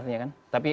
saya eko kuntadi